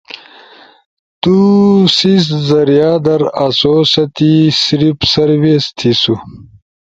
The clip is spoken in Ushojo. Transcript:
نو سیس ذریعہ در آسو ستی صرف سروس تھیسو۔